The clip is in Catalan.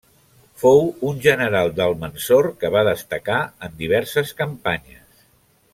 Fou un general d'Almansor que va destacar en diverses campanyes.